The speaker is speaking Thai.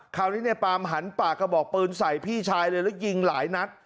คราวนี้ในปามหันปากกระบอกปืนใส่พี่ชายเลยแล้วยิงหลายนัด